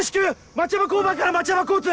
町山交番から町山交通！